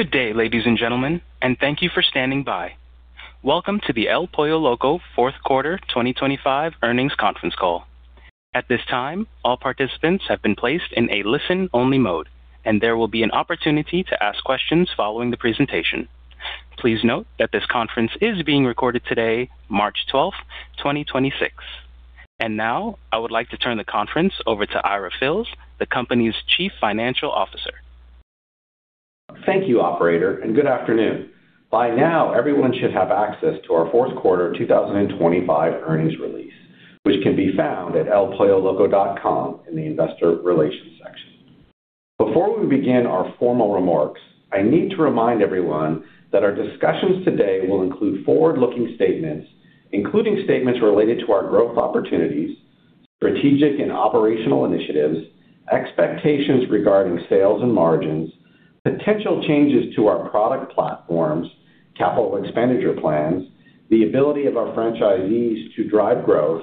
Good day, ladies and gentlemen, and thank you for standing by. Welcome to the El Pollo Loco fourth quarter 2025 earnings conference call. At this time, all participants have been placed in a listen-only mode, and there will be an opportunity to ask questions following the presentation. Please note that this conference is being recorded today, March 12, 2026. Now I would like to turn the conference over to Ira Fils, the company's Chief Financial Officer. Thank you, operator, and good afternoon. By now, everyone should have access to our fourth quarter 2025 earnings release, which can be found at elpolloloco.com in the Investor Relations section. Before we begin our formal remarks, I need to remind everyone that our discussions today will include forward-looking statements, including statements related to our growth opportunities, strategic and operational initiatives, expectations regarding sales and margins, potential changes to our product platforms, capital expenditure plans, the ability of our franchisees to drive growth,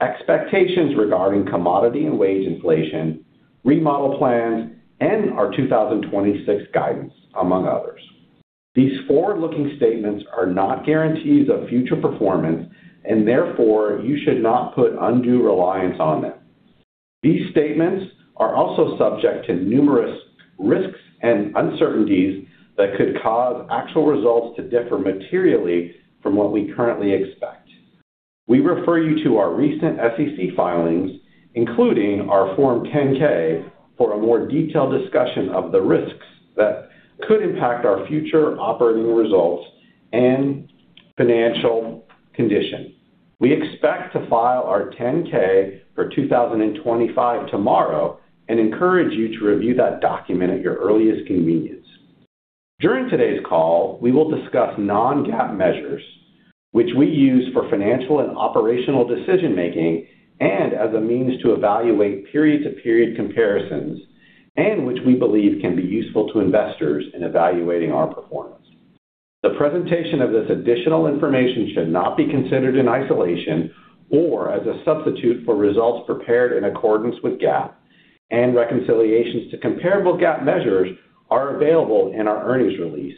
expectations regarding commodity and wage inflation, remodel plans, and our 2026 guidance, among others. These forward-looking statements are not guarantees of future performance, and therefore, you should not put undue reliance on them. These statements are also subject to numerous risks and uncertainties that could cause actual results to differ materially from what we currently expect. We refer you to our recent SEC filings, including our Form 10-K, for a more detailed discussion of the risks that could impact our future operating results and financial condition. We expect to file our 10-K for 2025 tomorrow and encourage you to review that document at your earliest convenience. During today's call, we will discuss non-GAAP measures which we use for financial and operational decision-making and as a means to evaluate period-to-period comparisons and which we believe can be useful to investors in evaluating our performance. The presentation of this additional information should not be considered in isolation or as a substitute for results prepared in accordance with GAAP and reconciliations to comparable GAAP measures are available in our earnings release,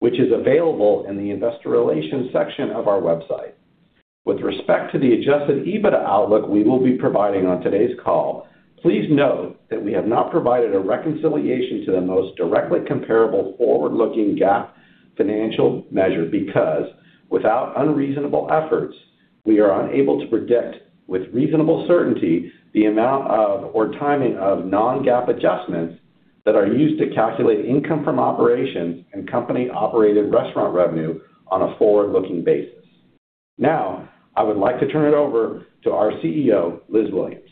which is available in the Investor Relations section of our website. With respect to the adjusted EBITDA outlook we will be providing on today's call, please note that we have not provided a reconciliation to the most directly comparable forward-looking GAAP financial measure because, without unreasonable efforts, we are unable to predict with reasonable certainty the amount of or timing of non-GAAP adjustments that are used to calculate income from operations and company-operated restaurant revenue on a forward-looking basis. I would like to turn it over to our CEO, Liz Williams.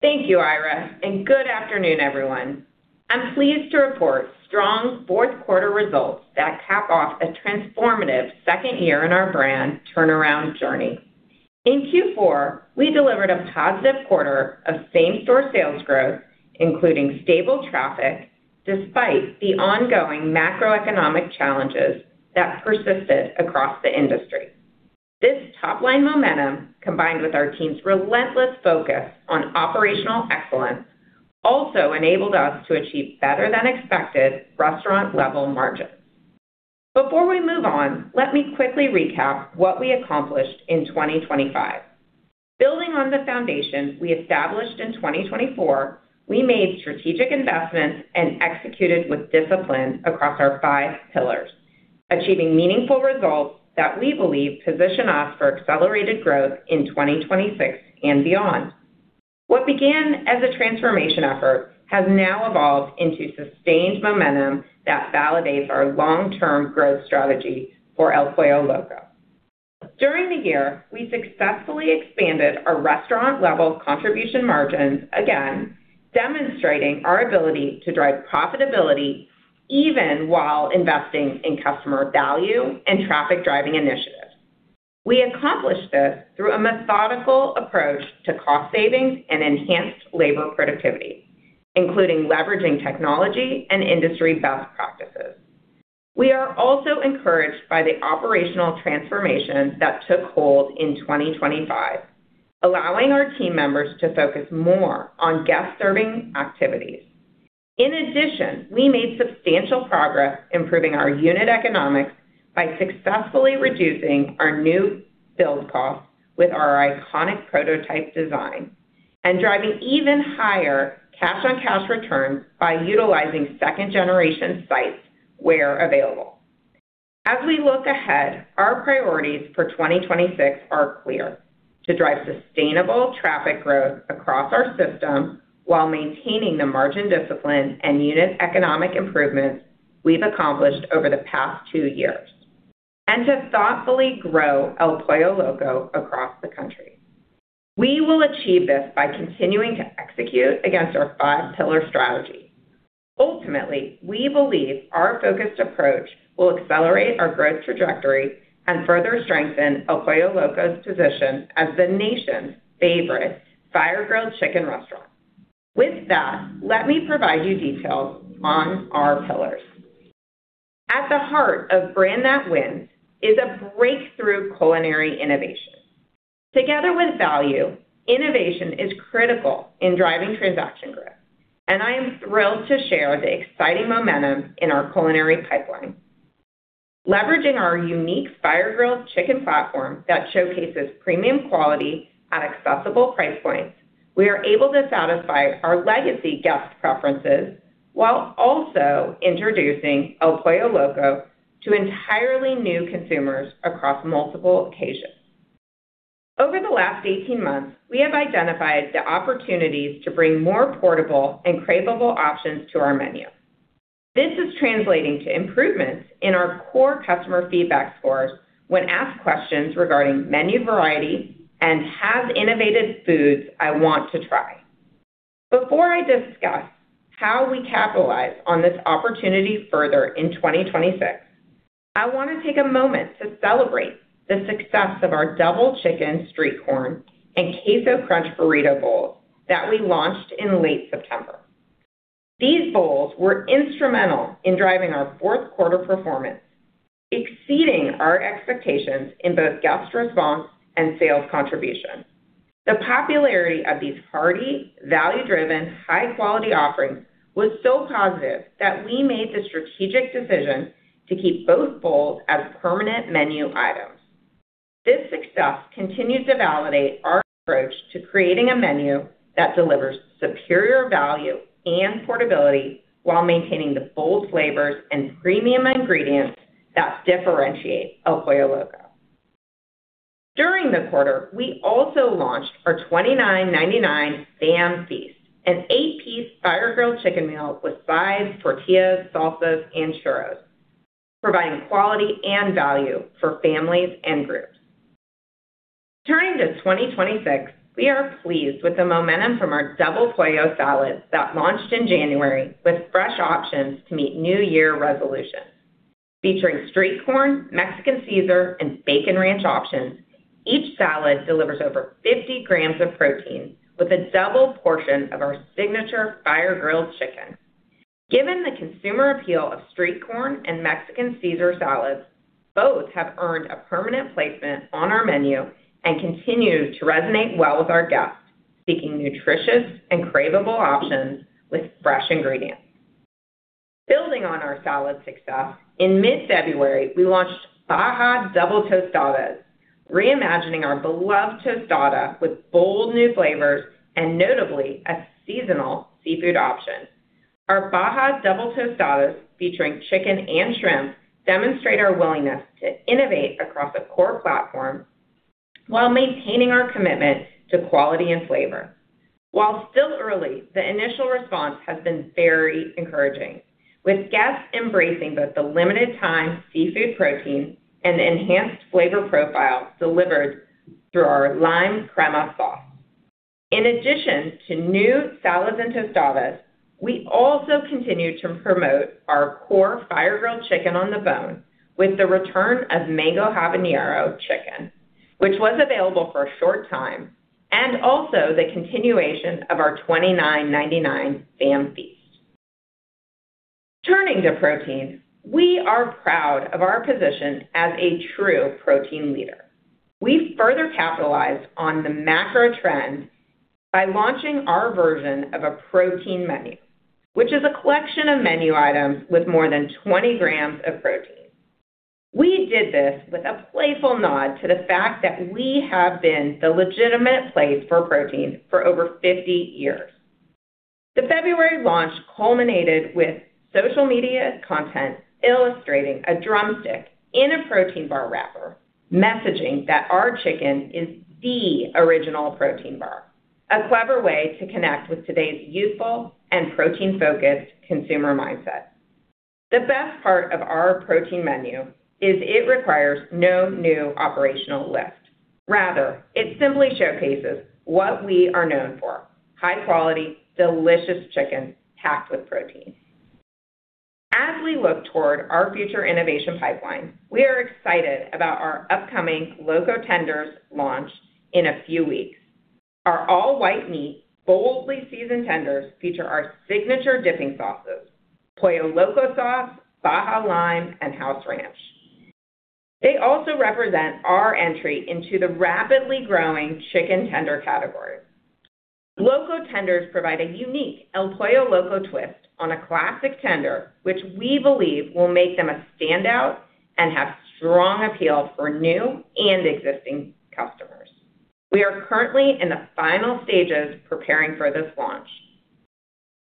Thank you, Ira, and good afternoon, everyone. I'm pleased to report strong fourth quarter results that cap off a transformative second year in our brand turnaround journey. In Q4, we delivered a positive quarter of same-store sales growth, including stable traffic, despite the ongoing macroeconomic challenges that persisted across the industry. This top-line momentum, combined with our team's relentless focus on operational excellence, also enabled us to achieve better-than-expected restaurant-level margins. Before we move on, let me quickly recap what we accomplished in 2025. Building on the foundation we established in 2024, we made strategic investments and executed with discipline across our five pillars, achieving meaningful results that we believe position us for accelerated growth in 2026 and beyond. What began as a transformation effort has now evolved into sustained momentum that validates our long-term growth strategy for El Pollo Loco. During the year, we successfully expanded our restaurant-level contribution margins again, demonstrating our ability to drive profitability even while investing in customer value and traffic-driving initiatives. We accomplished this through a methodical approach to cost savings and enhanced labor productivity, including leveraging technology and industry best practices. We are also encouraged by the operational transformation that took hold in 2025, allowing our team members to focus more on guest-serving activities. In addition, we made substantial progress improving our unit economics by successfully reducing our new build costs with our iconic prototype design and driving even higher cash-on-cash return by utilizing second-generation sites where available. As we look ahead, our priorities for 2026 are clear. To drive sustainable traffic growth across our system while maintaining the margin discipline and unit economic improvements we've accomplished over the past 2 years, and to thoughtfully grow El Pollo Loco across the country. We will achieve this by continuing to execute against our five-pillar strategy. Ultimately, we believe our focused approach will accelerate our growth trajectory and further strengthen El Pollo Loco's position as the nation's favorite fire-grilled chicken restaurant. With that, let me provide you details on our pillars. At the heart of a brand that wins is a breakthrough culinary innovation. Together with value, innovation is critical in driving transaction growth, and I am thrilled to share the exciting momentum in our culinary pipeline. Leveraging our unique fire-grilled chicken platform that showcases premium quality at accessible price points, we are able to satisfy our legacy guest preferences while also introducing El Pollo Loco to entirely new consumers across multiple occasions. Over the last 18 months, we have identified the opportunities to bring more portable and cravable options to our menu. This is translating to improvements in our core customer feedback scores when asked questions regarding menu variety and have innovative foods I want to try. Before I discuss how we capitalize on this opportunity further in 2026, I want to take a moment to celebrate the success of our Street Corn Double Chicken and Queso Crunch Double Chicken Burrito Bowl that we launched in late September. These bowls were instrumental in driving our fourth quarter performance, exceeding our expectations in both guest response and sales contribution. The popularity of these hearty, value-driven, high-quality offerings was so positive that we made the strategic decision to keep both bowls as permanent menu items. This success continues to validate our approach to creating a menu that delivers superior value and portability while maintaining the bold flavors and premium ingredients that differentiate El Pollo Loco. During the quarter, we also launched our $29.99 Fam Feast, an eight-piece fire-grilled chicken meal with sides, tortillas, salsas, and churros, providing quality and value for families and groups. Turning to 2026, we are pleased with the momentum from our Double Pollo Salads that launched in January with fresh options to meet new year resolutions. Featuring Street Corn, Mexican Caesar, and Bacon Ranch options, each salad delivers over 50 g of protein with a double portion of our signature fire-grilled chicken. Given the consumer appeal of Street Corn and Mexican Caesar salads, both have earned a permanent placement on our menu and continue to resonate well with our guests, seeking nutritious and cravable options with fresh ingredients. Building on our salad success, in mid-February, we launched Baja Double Tostadas, reimagining our beloved tostada with bold new flavors and notably a seasonal seafood option. Our Baja Double Tostadas featuring chicken and shrimp demonstrate our willingness to innovate across a core platform while maintaining our commitment to quality and flavor. While still early, the initial response has been very encouraging with guests embracing both the limited-time seafood protein and enhanced flavor profile delivered through our Lime Crema Sauce. In addition to new salads and tostadas, we also continue to promote our core fire-grilled chicken on the bone with the return of Mango Habanero Chicken, which was available for a short time, and also the continuation of our $29.99 Fam Feast. Turning to protein, we are proud of our position as a true protein leader. We further capitalize on the macro trend by launching our version of a protein menu, which is a collection of menu items with more than 20 g of protein. We did this with a playful nod to the fact that we have been the legitimate place for protein for over 50 years. The February launch culminated with social media content illustrating a drumstick in a protein bar wrapper, messaging that our chicken is the original protein bar, a clever way to connect with today's youthful and protein-focused consumer mindset. The best part of our protein menu is it requires no new operational lift. Rather, it simply showcases what we are known for, high quality, delicious chicken packed with protein. As we look toward our future innovation pipeline, we are excited about our upcoming Loco Tenders launch in a few weeks. Our all-white meat, boldly seasoned tenders feature our signature dipping sauces, Pollo Loco Sauce, Baja Lime, and House Ranch. They also represent our entry into the rapidly growing chicken tender category. Loco Tenders provide a unique El Pollo Loco twist on a classic tender, which we believe will make them a standout and have strong appeal for new and existing customers. We are currently in the final stages preparing for this launch.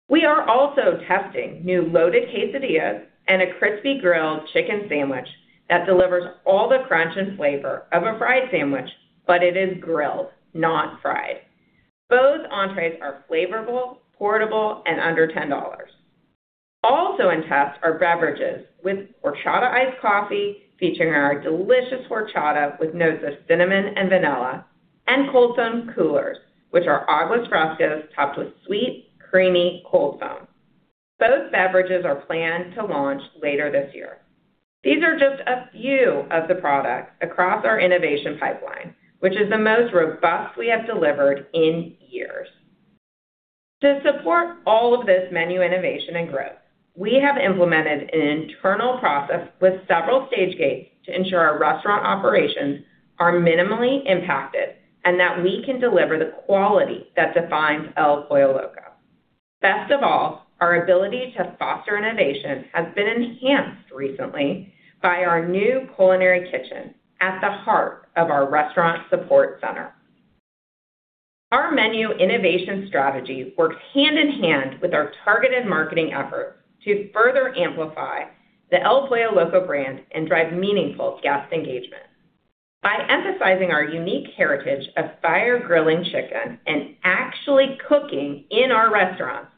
We are also testing new loaded quesadillas and a crispy grilled chicken sandwich that delivers all the crunch and flavor of a fried sandwich, but it is grilled, not fried. Both entrees are flavorful, portable, and under $10. Also in test are beverages with Horchata Iced Coffee, featuring our delicious Horchata with notes of cinnamon and vanilla, and Cold Foam Coolers, which are Aguas Frescas topped with sweet, creamy cold foam. Both beverages are planned to launch later this year. These are just a few of the products across our innovation pipeline, which is the most robust we have delivered in years. To support all of this menu innovation and growth, we have implemented an internal process with several stage gates to ensure our restaurant operations are minimally impacted, and that we can deliver the quality that defines El Pollo Loco. Best of all, our ability to foster innovation has been enhanced recently by our new culinary kitchen at the heart of our restaurant support center. Our menu innovation strategy works hand in hand with our targeted marketing efforts to further amplify the El Pollo Loco brand and drive meaningful guest engagement. By emphasizing our unique heritage of fire grilling chicken and actually cooking in our restaurants,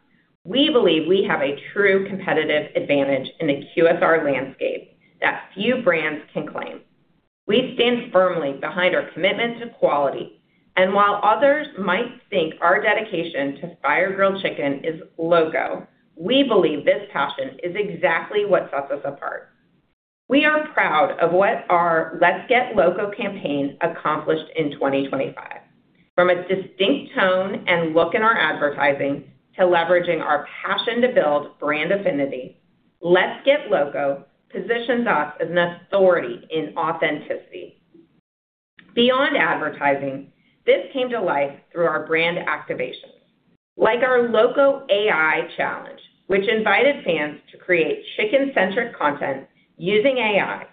we believe we have a true competitive advantage in the QSR landscape that few brands can claim. We stand firmly behind our commitment to quality, and while others might think our dedication to fire-grilled chicken is loco, we believe this passion is exactly what sets us apart. We are proud of what our Let's Get Loco campaign accomplished in 2025. From its distinct tone and look in our advertising to leveraging our passion to build brand affinity, Let's Get Loco positions us as an authority in authenticity. Beyond advertising, this came to life through our brand activations, like our Loco AI Challenge, which invited fans to create chicken-centric content using AI,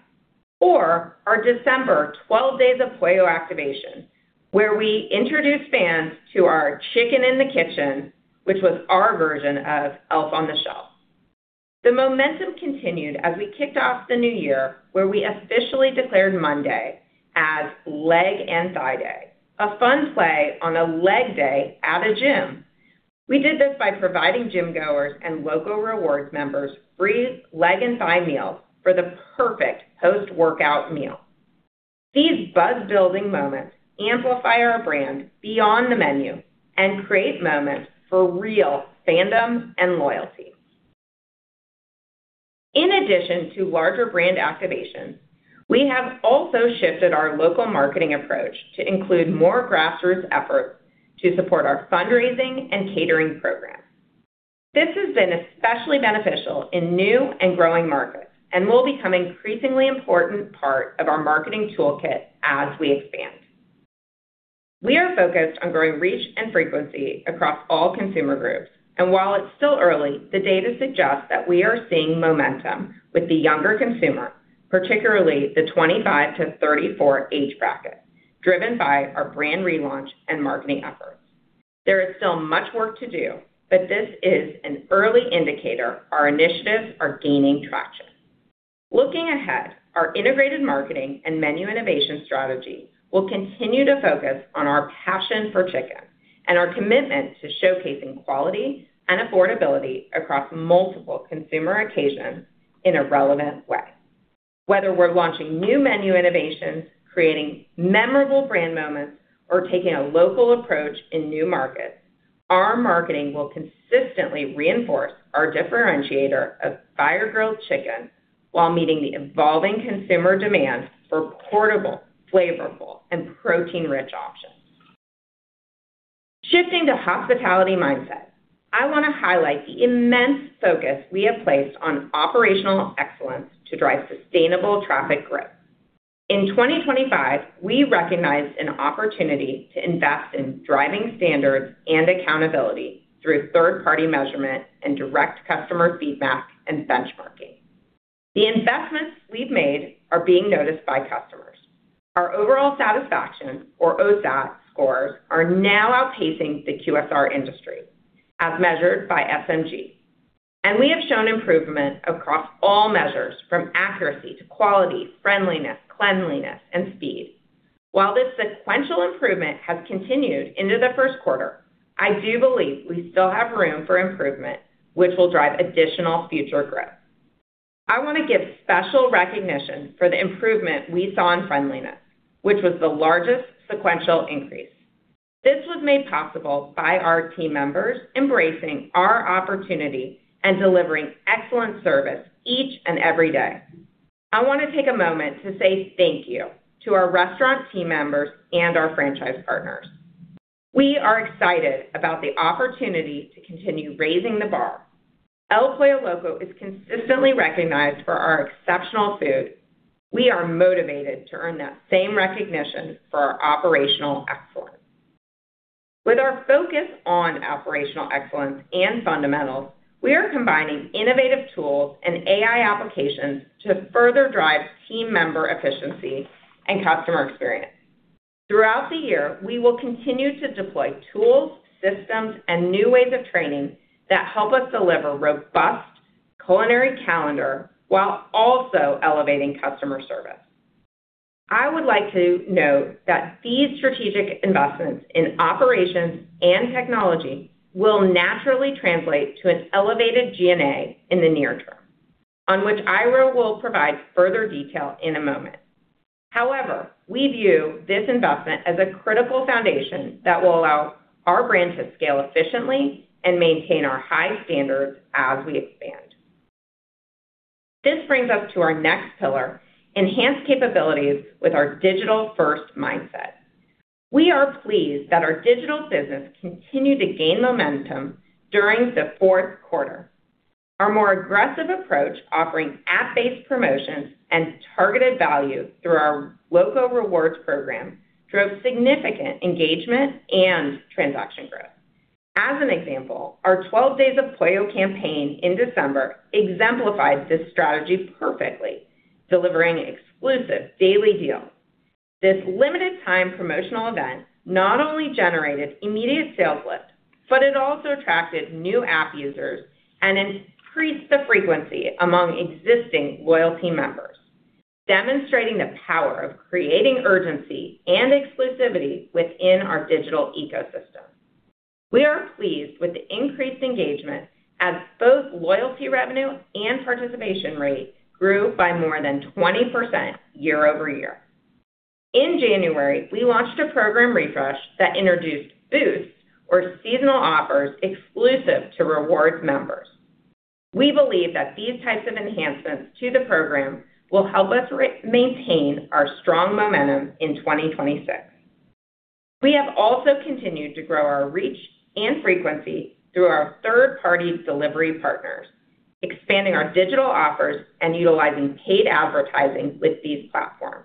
or our December 12 Days of Pollo activation, where we introduced fans to our Chicken in the Kitchen, which was our version of Elf on the Shelf. The momentum continued as we kicked off the new year, where we officially declared Monday as Leg & Thigh Day, a fun play on a leg day at a gym. We did this by providing gym goers and Loco Rewards members free leg and thigh meals for the perfect post-workout meal. These buzz-building moments amplify our brand beyond the menu and create moments for real fandom and loyalty. In addition to larger brand activations, we have also shifted our local marketing approach to include more grassroots efforts to support our fundraising and catering programs. This has been especially beneficial in new and growing markets and will become an increasingly important part of our marketing toolkit as we expand. We are focused on growing reach and frequency across all consumer groups, and while it's still early, the data suggests that we are seeing momentum with the younger consumer, particularly the 25-34 age bracket, driven by our brand relaunch and marketing efforts. There is still much work to do, but this is an early indicator our initiatives are gaining traction. Looking ahead, our integrated marketing and menu innovation strategy will continue to focus on our passion for chicken and our commitment to showcasing quality and affordability across multiple consumer occasions in a relevant way. Whether we're launching new menu innovations, creating memorable brand moments, or taking a local approach in new markets, our marketing will consistently reinforce our differentiator of fire-grilled chicken while meeting the evolving consumer demand for portable, flavorful, and protein-rich options. Shifting to hospitality mindset, I want to highlight the immense focus we have placed on operational excellence to drive sustainable traffic growth. In 2025, we recognized an opportunity to invest in driving standards and accountability through third-party measurement and direct customer feedback and benchmarking. The investments we've made are being noticed by customers. Our overall satisfaction, or OSAT scores, are now outpacing the QSR industry as measured by SMG. We have shown improvement across all measures from accuracy to quality, friendliness, cleanliness, and speed. While this sequential improvement has continued into the first quarter, I do believe we still have room for improvement which will drive additional future growth. I want to give special recognition for the improvement we saw in friendliness, which was the largest sequential increase. This was made possible by our team members embracing our opportunity and delivering excellent service each and every day. I want to take a moment to say thank you to our restaurant team members and our franchise partners. We are excited about the opportunity to continue raising the bar. El Pollo Loco is consistently recognized for our exceptional food. We are motivated to earn that same recognition for our operational excellence. With our focus on operational excellence and fundamentals, we are combining innovative tools and AI applications to further drive team member efficiency and customer experience. Throughout the year, we will continue to deploy tools, systems, and new ways of training that help us deliver robust culinary calendar while also elevating customer service. I would like to note that these strategic investments in operations and technology will naturally translate to an elevated G&A in the near term, on which Ira will provide further detail in a moment. However, we view this investment as a critical foundation that will allow our brand to scale efficiently and maintain our high standards as we expand. This brings us to our next pillar, enhanced capabilities with our digital first mindset. We are pleased that our digital business continued to gain momentum during the fourth quarter. Our more aggressive approach offering app-based promotions and targeted value through our Loco Rewards program drove significant engagement and transaction growth. As an example, our 12 Days of Pollo campaign in December exemplified this strategy perfectly, delivering exclusive daily deals. This limited-time promotional event not only generated immediate sales lift, but it also attracted new app users and increased the frequency among existing loyalty members, demonstrating the power of creating urgency and exclusivity within our digital ecosystem. We are pleased with the increased engagement as both loyalty revenue and participation rates grew by more than 20% year-over-year. In January, we launched a program refresh that introduced Boost, or seasonal offers exclusive to rewards members. We believe that these types of enhancements to the program will help us maintain our strong momentum in 2026. We have also continued to grow our reach and frequency through our third-party delivery partners, expanding our digital offers and utilizing paid advertising with these platforms.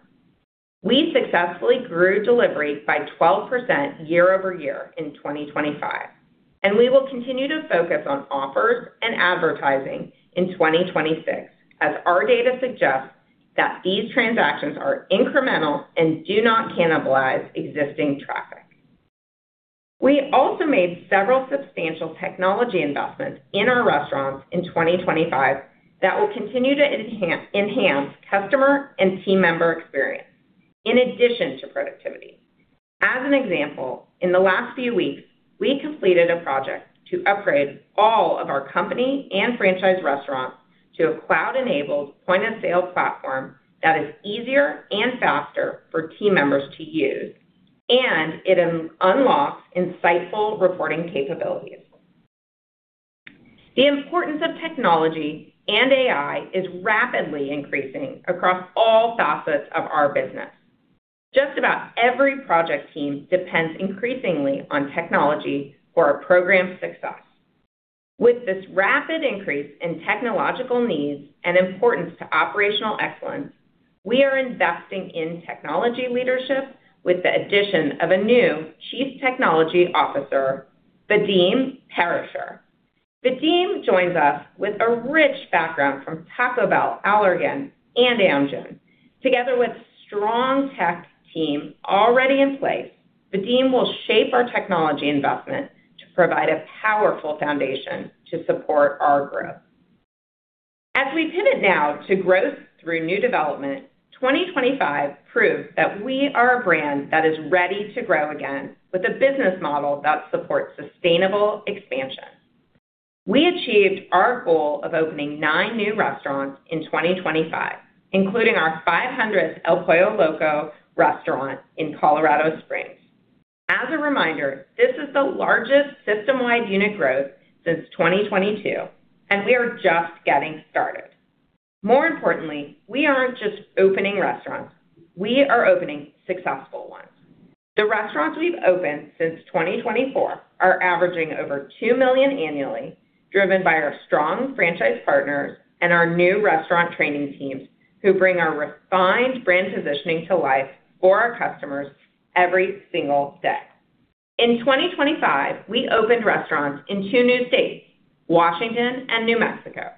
We successfully grew delivery by 12% year-over-year in 2025, and we will continue to focus on offers and advertising in 2026, as our data suggests that these transactions are incremental and do not cannibalize existing traffic. We also made several substantial technology investments in our restaurants in 2025 that will continue to enhance customer and team member experience in addition to productivity. As an example, in the last few weeks, we completed a project to upgrade all of our company and franchise restaurants to a cloud-enabled point of sale platform that is easier and faster for team members to use, and it unlocks insightful reporting capabilities. The importance of technology and AI is rapidly increasing across all facets of our business. Just about every project team depends increasingly on technology for our program's success. With this rapid increase in technological needs and importance to operational excellence, we are investing in technology leadership with the addition of a new Chief Technology Officer, Vadim Parizher. Vadim joins us with a rich background from Taco Bell, Allergan, and Amgen. Together with strong tech team already in place, Vadim will shape our technology investment to provide a powerful foundation to support our growth. As we pivot now to growth through new development, 2025 proved that we are a brand that is ready to grow again with a business model that supports sustainable expansion. We achieved our goal of opening nine new restaurants in 2025, including our 500th El Pollo Loco restaurant in Colorado Springs. As a reminder, this is the largest system-wide unit growth since 2022, and we are just getting started. More importantly, we aren't just opening restaurants, we are opening successful ones. The restaurants we've opened since 2024 are averaging over $2 million annually, driven by our strong franchise partners and our new restaurant training teams who bring our refined brand positioning to life for our customers every single day. In 2025, we opened restaurants in two new states, Washington and New Mexico,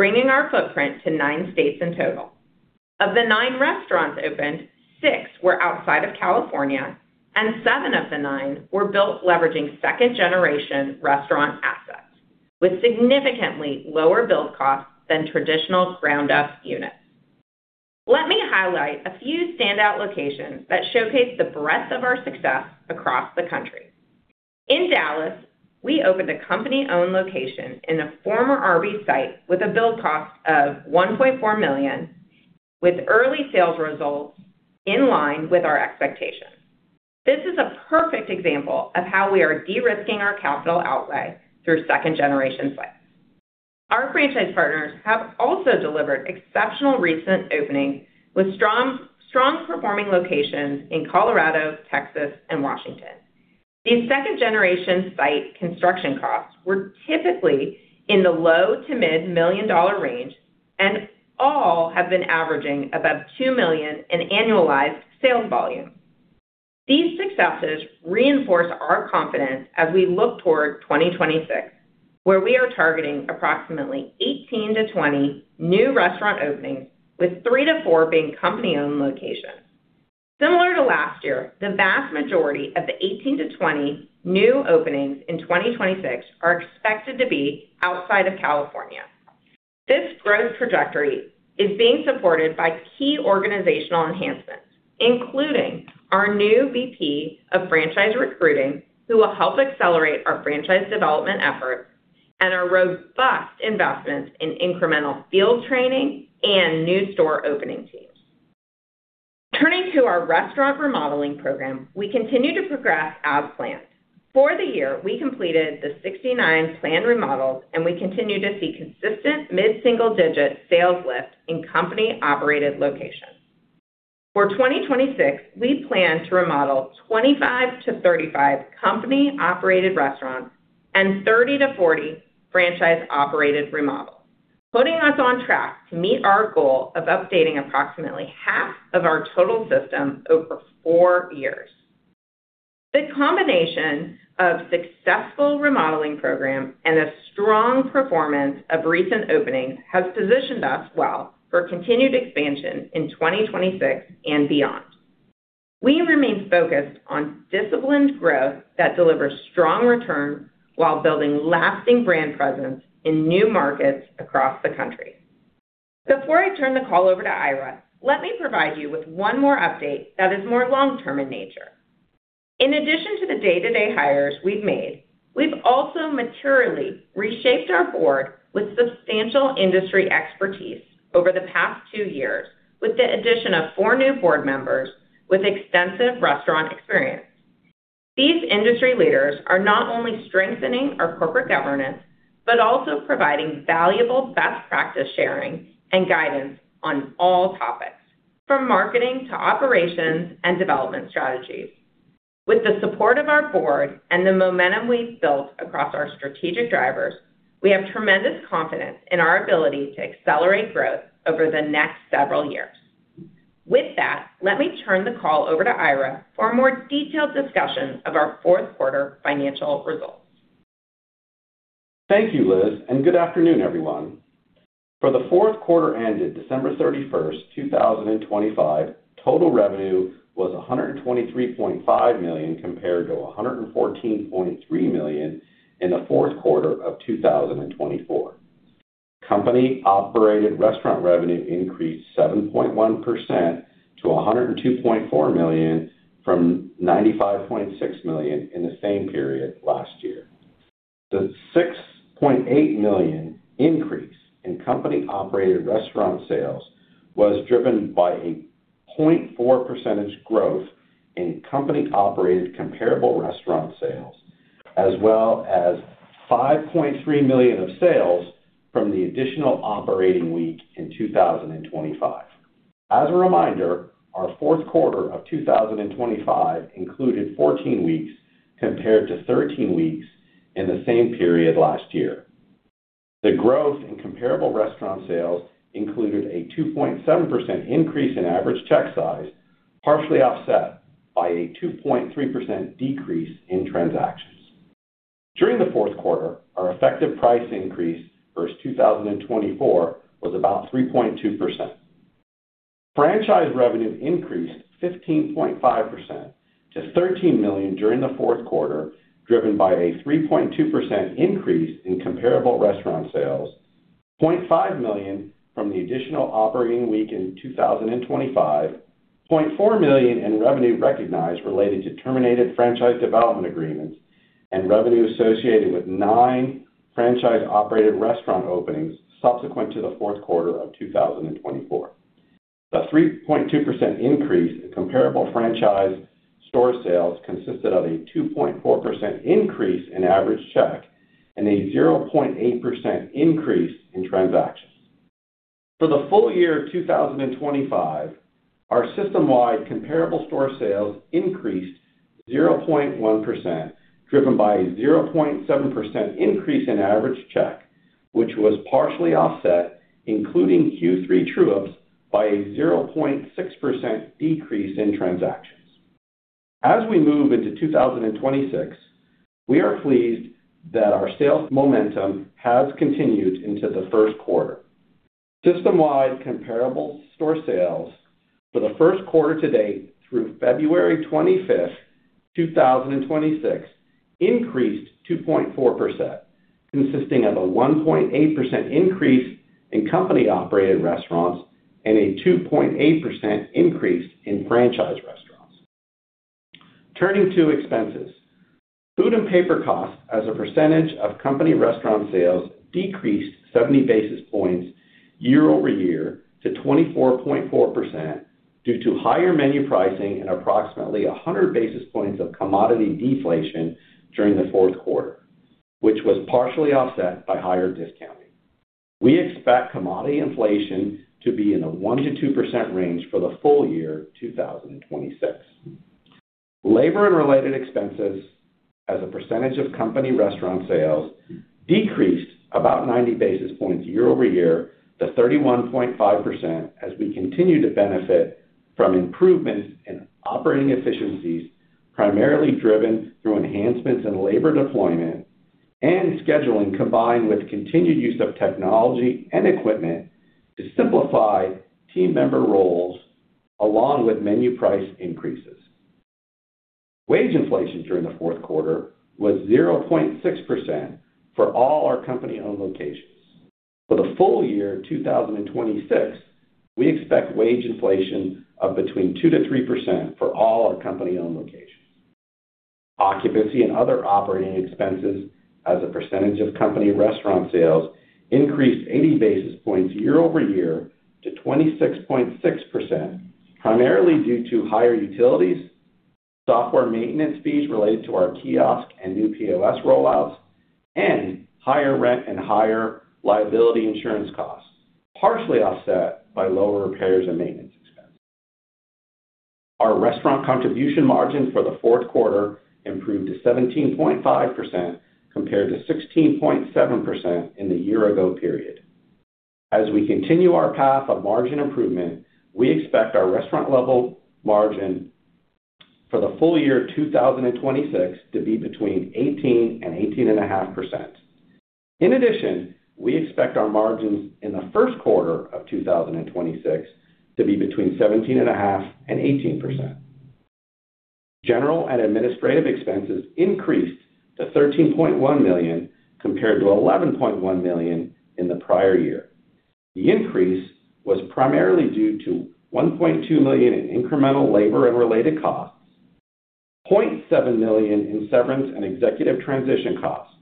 bringing our footprint to nine states in total. Of the nine restaurants opened, six were outside of California, and seven of the nine were built leveraging second-generation restaurant assets with significantly lower build costs than traditional ground up units. Let me highlight a few standout locations that showcase the breadth of our success across the country. In Dallas, we opened a company-owned location in a former Arby's site with a build cost of $1.4 million, with early sales results in line with our expectations. This is a perfect example of how we are de-risking our capital outlay through second-generation sites. Our franchise partners have also delivered exceptional recent openings with strong performing locations in Colorado, Texas, and Washington. These second-generation site construction costs were typically in the low- to mid-million-dollar range, and all have been averaging above $2 million in annualized sales volume. These successes reinforce our confidence as we look toward 2026, where we are targeting approximately 18-20 new restaurant openings, with three to four being company-owned locations. Similar to last year, the vast majority of the 18-20 new openings in 2026 are expected to be outside of California. This growth trajectory is being supported by key organizational enhancements, including our new VP of franchise recruiting, who will help accelerate our franchise development efforts and our robust investments in incremental field training and new store opening teams. Turning to our restaurant remodeling program, we continue to progress as planned. For the year, we completed the 69 planned remodels, and we continue to see consistent mid-single-digit sales lift in company-operated locations. For 2026, we plan to remodel 25-35 company-operated restaurants and 30-40 franchise-operated remodels, putting us on track to meet our goal of updating approximately half of our total system over 4 years. The combination of successful remodeling program and a strong performance of recent openings has positioned us well for continued expansion in 2026 and beyond. We remain focused on disciplined growth that delivers strong returns while building lasting brand presence in new markets across the country. Before I turn the call over to Ira, let me provide you with one more update that is more long-term in nature. In addition to the day-to-day hires we've made, we've also materially reshaped our board with substantial industry expertise over the past 2 years with the addition of four new board members with extensive restaurant experience. These industry leaders are not only strengthening our corporate governance, but also providing valuable best practice sharing and guidance on all topics, from marketing to operations and development strategies. With the support of our board and the momentum we've built across our strategic drivers, we have tremendous confidence in our ability to accelerate growth over the next several years. With that, let me turn the call over to Ira for a more detailed discussion of our fourth quarter financial results. Thank you, Liz, and good afternoon, everyone. For the fourth quarter ended December 31st, 2025, total revenue was $123.5 million compared to $114.3 million in the fourth quarter of 2024. Company-operated restaurant revenue increased 7.1% to $102.4 million from $95.6 million in the same period last year. The $6.8 million increase in company-operated restaurant sales was driven by a 0.4% growth in company-operated comparable restaurant sales, as well as $5.3 million of sales from the additional operating week in 2025. As a reminder, our fourth quarter of 2025 included 14 weeks compared to 13 weeks in the same period last year. The growth in comparable restaurant sales included a 2.7% increase in average check size, partially offset by a 2.3% decrease in transactions. During the fourth quarter, our effective price increase versus 2024 was about 3.2%. Franchise revenue increased 15.5% to $13 million during the fourth quarter, driven by a 3.2% increase in comparable restaurant sales, $0.5 million from the additional operating week in 2025, $0.4 million in revenue recognized related to terminated franchise development agreements and revenue associated with nine franchise-operated restaurant openings subsequent to the fourth quarter of 2024. The 3.2% increase in comparable franchise store sales consisted of a 2.4% increase in average check and a 0.8% increase in transactions. For the full year of 2025, our system-wide comparable store sales increased 0.1%, driven by a 0.7% increase in average check, which was partially offset, including Q3 true ups, by a 0.6% decrease in transactions. As we move into 2026, we are pleased that our sales momentum has continued into the first quarter. System-wide comparable store sales for the first quarter to date through February 25th, 2026 increased 2.4%, consisting of a 1.8% increase in company-operated restaurants and a 2.8% increase in franchise restaurants. Turning to expenses. Food and paper costs as a percentage of company restaurant sales decreased 70 basis points year-over-year to 24.4% due to higher menu pricing and approximately 100 basis points of commodity deflation during the fourth quarter, which was partially offset by higher discounting. We expect commodity inflation to be in the 1%-2% range for the full year, 2026. Labor and related expenses as a percentage of company restaurant sales decreased about 90 basis points year-over-year to 31.5% as we continue to benefit from improvements in operating efficiencies, primarily driven through enhancements in labor deployment and scheduling, combined with continued use of technology and equipment to simplify team member roles along with menu price increases. Wage inflation during the fourth quarter was 0.6% for all our company-owned locations. For the full year 2026, we expect wage inflation of between 2%-3% for all our company-owned locations. Occupancy and other operating expenses as a percentage of company restaurant sales increased 80 basis points year-over-year to 26.6%, primarily due to higher utilities, software maintenance fees related to our kiosk and new POS rollouts, and higher rent and higher liability insurance costs, partially offset by lower repairs and maintenance expenses. Our restaurant contribution margin for the fourth quarter improved to 17.5% compared to 16.7% in the year ago period. As we continue our path of margin improvement, we expect our restaurant level margin for the full year 2026 to be between 18% and 18.5%. We expect our margins in the first quarter of 2026 to be between 17.5% and 18%. General and administrative expenses increased to $13.1 million compared to $11.1 million in the prior year. The increase was primarily due to $1.2 million in incremental labor and related costs, $0.7 million in severance and executive transition costs,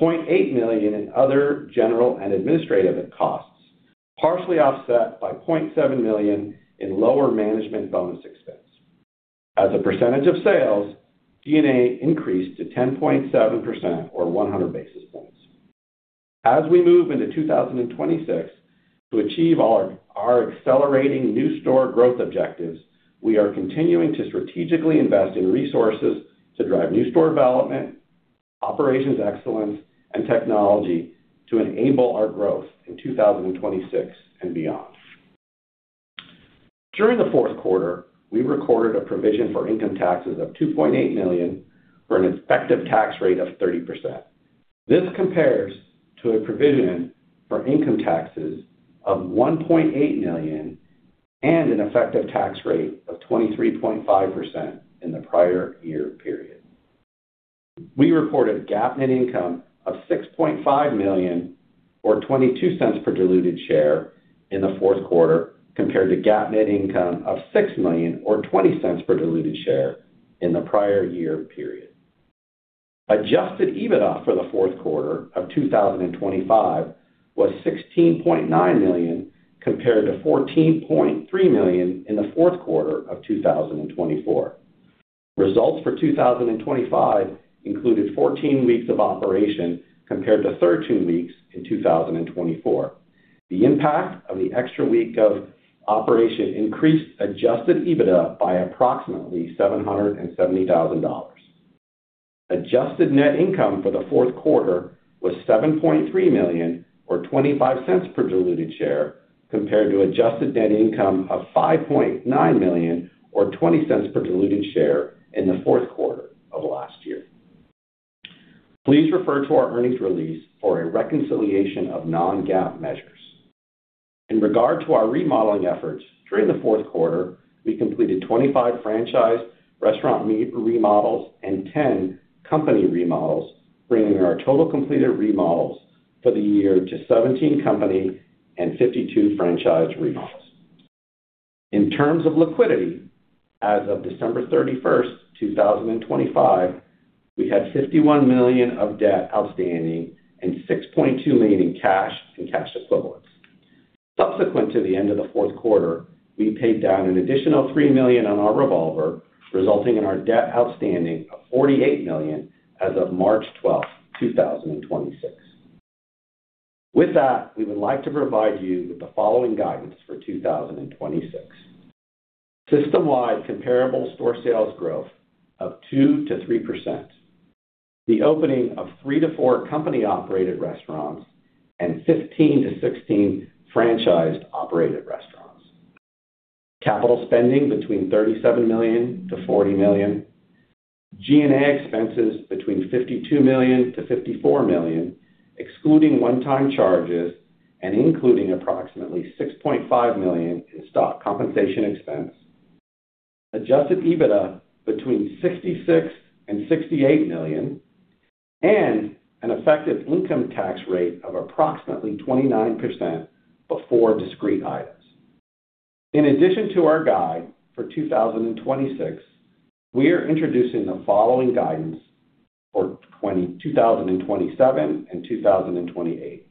$0.8 million in other general and administrative costs, partially offset by $0.7 million in lower management bonus expense. As a percentage of sales, G&A increased to 10.7% or 100 basis points. As we move into 2026 to achieve our accelerating new store growth objectives, we are continuing to strategically invest in resources to drive new store development, operations excellence, and technology to enable our growth in 2026 and beyond. During the fourth quarter, we recorded a provision for income taxes of $2.8 million for an effective tax rate of 30%. This compares to a provision for income taxes of $1.8 million and an effective tax rate of 23.5% in the prior year period. We reported GAAP net income of $6.5 million or $0.22 per diluted share in the fourth quarter, compared to GAAP net income of $6 million or $0.20 per diluted share in the prior year period. Adjusted EBITDA for the fourth quarter of 2025 was $16.9 million compared to $14.3 million in the fourth quarter of 2024. Results for 2025 included 14 weeks of operation compared to 13 weeks in 2024. The impact of the extra week of operation increased adjusted EBITDA by approximately $770,000. Adjusted net income for the fourth quarter was $7.3 million or $0.25 per diluted share, compared to adjusted net income of $5.9 million or $0.20 per diluted share in the fourth quarter of last year. Please refer to our earnings release for a reconciliation of non-GAAP measures. In regard to our remodeling efforts, during the fourth quarter, we completed 25 franchise restaurant re-remodels and 10 company remodels, bringing our total completed remodels for the year to 17 company and 52 franchise remodels. In terms of liquidity, as of December 31st, 2025, we had $51 million of debt outstanding and $6.2 million in cash and cash equivalents. Subsequent to the end of the fourth quarter, we paid down an additional $3 million on our revolver, resulting in our debt outstanding of $48 million as of March 12th, 2026. With that, we would like to provide you with the following guidance for 2026. System-wide comparable store sales growth of 2%-3%. The opening of three to four company-operated restaurants and 15-16 franchised-operated restaurants. Capital spending between $37 million-$40 million. G&A expenses between $52 million-$54 million, excluding one-time charges and including approximately $6.5 million in stock compensation expense. Adjusted EBITDA between $66 million and $68 million. An effective income tax rate of approximately 29% before discrete items. In addition to our guide for 2026, we are introducing the following guidance for 2027 and 2028.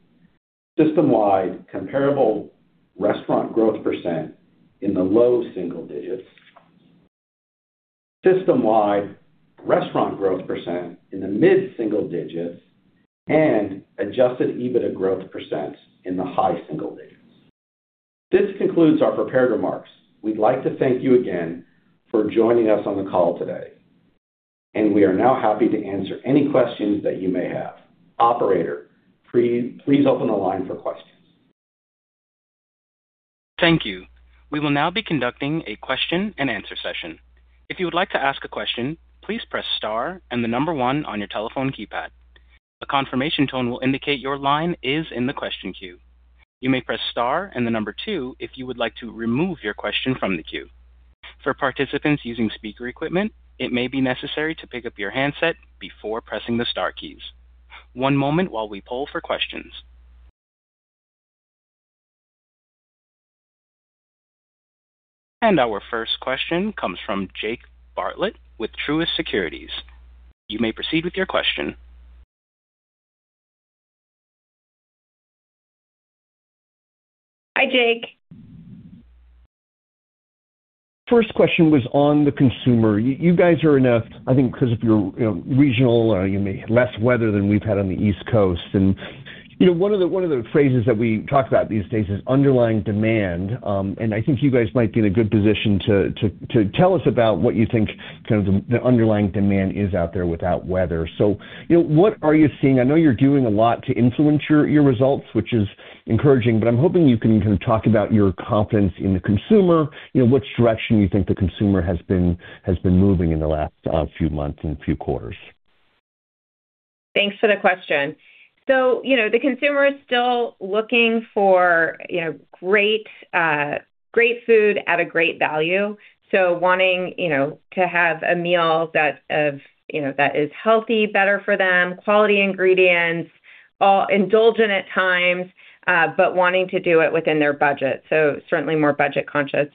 System-wide comparable restaurant growth percent in the low single digits. System-wide restaurant growth percent in the mid-single digits. Adjusted EBITDA growth percents in the high single digits. This concludes our prepared remarks. We'd like to thank you again for joining us on the call today, and we are now happy to answer any questions that you may have. Operator, please open the line for questions. Thank you. We will now be conducting a question and answer session. If you would like to ask a question, please press star and the number one on your telephone keypad. A confirmation tone will indicate your line is in the question queue. You may press star and the number two if you would like to remove your question from the queue. For participants using speaker equipment, it may be necessary to pick up your handset before pressing the star keys. One moment while we poll for questions. Our first question comes from Jake Bartlett with Truist Securities. You may proceed with your question. Hi, Jake. First question was on the consumer. You guys, I think because of your, you know, regional, you may have less weather than we've had on the East Coast. You know, one of the phrases that we talk about these days is underlying demand. I think you guys might be in a good position to tell us about what you think kind of the underlying demand is out there without weather. What are you seeing? I know you're doing a lot to influence your results, which is encouraging, but I'm hoping you can kind of talk about your confidence in the consumer. You know, which direction you think the consumer has been moving in the last few months and few quarters. Thanks for the question. You know, the consumer is still looking for, you know, great food at a great value. Wanting, you know, to have a meal that is healthy, better for them, quality ingredients, indulgent at times, but wanting to do it within their budget. Certainly more budget conscious.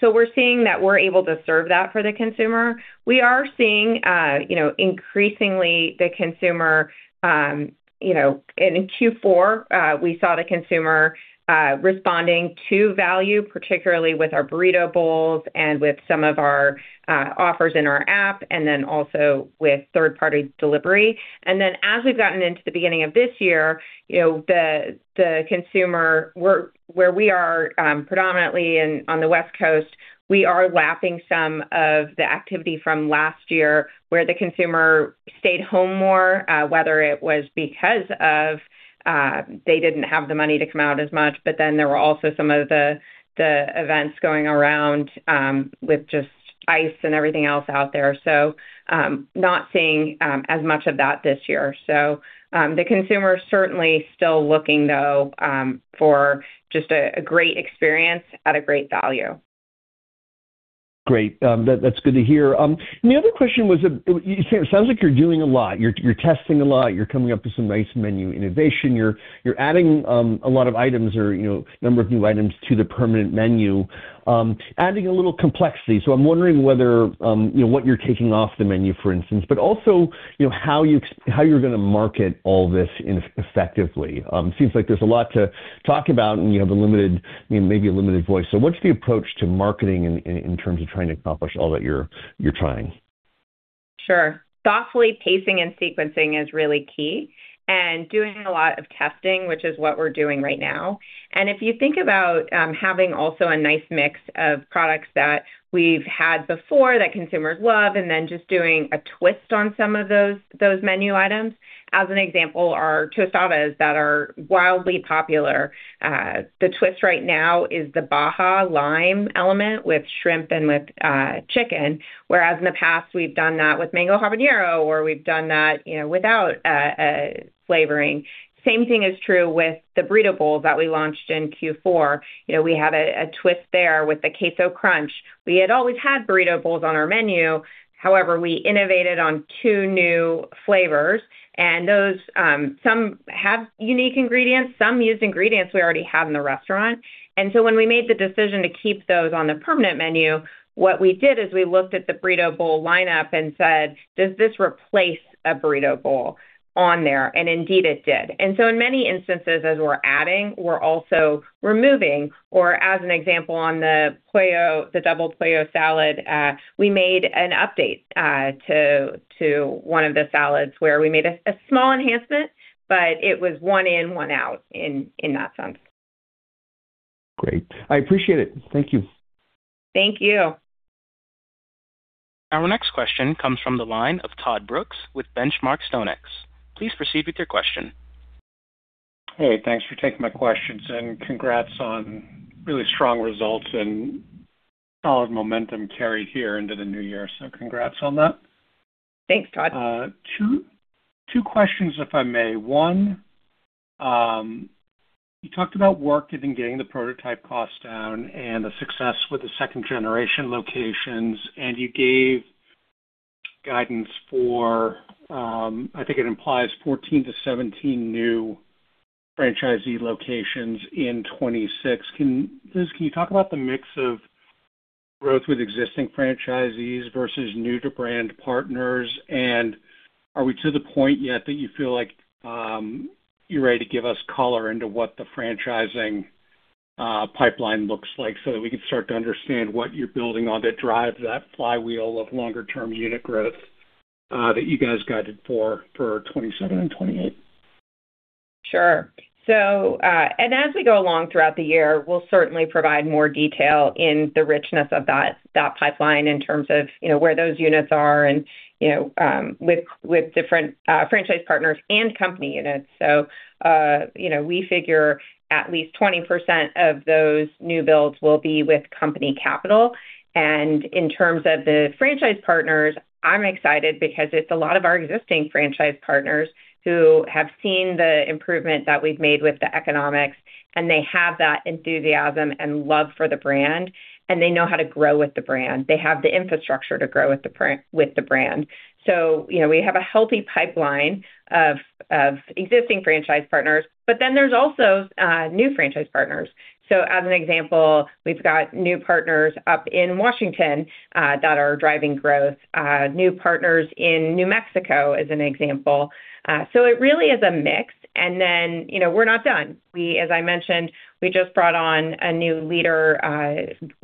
We're seeing that we're able to serve that for the consumer. We are seeing, you know, increasingly the consumer, you know, in Q4, we saw the consumer responding to value, particularly with our burrito bowls and with some of our offers in our app, and then also with third-party delivery. As we've gotten into the beginning of this year, you know, the consumer where we are predominantly and on the West Coast, we are lapping some of the activity from last year where the consumer stayed home more, whether it was because they didn't have the money to come out as much. There were also some of the events going around with ICE and everything else out there. Not seeing as much of that this year. The consumer certainly still looking, though, for just a great experience at a great value. Great. That's good to hear. The other question was, it sounds like you're doing a lot. You're testing a lot. You're coming up with some nice menu innovation. You're adding a lot of items or, you know, a number of new items to the permanent menu, adding a little complexity. I'm wondering whether, you know, what you're taking off the menu, for instance, but also, you know, how you're gonna market all this effectively. Seems like there's a lot to talk about, and you have a limited, maybe limited voice. What's the approach to marketing in terms of trying to accomplish all that you're trying? Sure. Thoughtfully pacing and sequencing is really key and doing a lot of testing, which is what we're doing right now. If you think about having also a nice mix of products that we've had before that consumers love and then just doing a twist on some of those menu items. As an example are tostadas that are wildly popular. The twist right now is the Baja Lime element with shrimp and with chicken. Whereas in the past we've done that with Mango Habanero, or we've done that, you know, without flavoring. Same thing is true with the burrito bowls that we launched in Q4. You know, we had a twist there with the Queso Crunch. We had always had burrito bowls on our menu. However, we innovated on two new flavors, and those, some have unique ingredients, some use ingredients we already have in the restaurant. When we made the decision to keep those on the permanent menu, what we did is we looked at the burrito bowl lineup and said, "Does this replace a burrito bowl on there?" Indeed it did. In many instances, as we're adding, we're also removing. As an example, on the Pollo, the Double Pollo Salad, we made an update to one of the salads where we made a small enhancement, but it was one in, one out in that sense. Great. I appreciate it. Thank you. Thank you. Our next question comes from the line of Todd Brooks with Benchmark StoneX. Please proceed with your question. Hey, thanks for taking my questions and congrats on really strong results and solid momentum carried here into the new year. Congrats on that. Thanks, Todd. Two questions if I may. One, you talked about work and getting the prototype costs down and the success with the second-generation locations. You gave guidance for, I think it implies 14-17 new franchisee locations in 2026. Liz, can you talk about the mix of growth with existing franchisees versus new to brand partners? Are we to the point yet that you feel like you're ready to give us color into what the franchising pipeline looks like so that we can start to understand what you're building on that drives that flywheel of longer-term unit growth that you guys guided for 2027 and 2028? As we go along throughout the year, we'll certainly provide more detail in the richness of that pipeline in terms of, you know, where those units are and, you know, with different franchise partners and company units. You know, we figure at least 20% of those new builds will be with company capital. In terms of the franchise partners, I'm excited because it's a lot of our existing franchise partners who have seen the improvement that we've made with the economics, and they have that enthusiasm and love for the brand, and they know how to grow with the brand. They have the infrastructure to grow with the brand. You know, we have a healthy pipeline of existing franchise partners. There's also new franchise partners. As an example, we've got new partners up in Washington that are driving growth. New partners in New Mexico, as an example. It really is a mix. Then, you know, we're not done. As I mentioned, we just brought on a new leader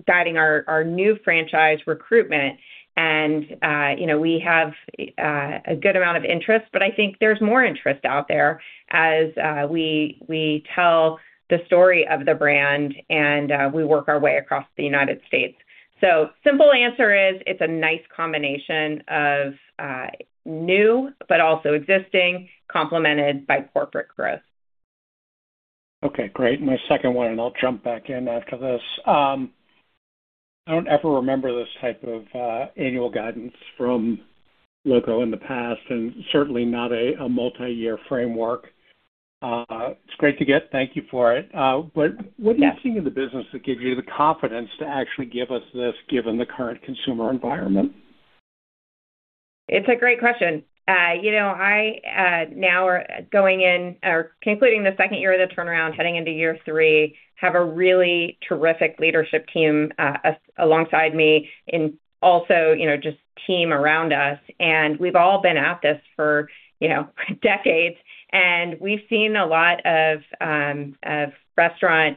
guiding our new franchise recruitment. You know, we have a good amount of interest, but I think there's more interest out there as we tell the story of the brand and we work our way across the United States. Simple answer is it's a nice combination of new but also existing, complemented by corporate growth. Okay, great. My second one, and I'll jump back in after this. I don't ever remember this type of annual guidance from Loco in the past and certainly not a multi-year framework. It's great to get. Thank you for it. What are you seeing in the business that gives you the confidence to actually give us this, given the current consumer environment? It's a great question. You know, I now are going in or concluding the second year of the turnaround, heading into year three, have a really terrific leadership team, alongside me and also, you know, just team around us. We've all been at this for, you know, decades, and we've seen a lot of of restaurant